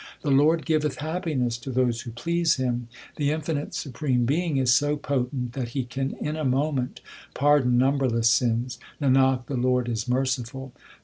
The Lord giveth happiness to those who please Him. The infinite supreme Being is so potent, That He can in a moment pardon numberless sins : Nanak, the Lord is merciful.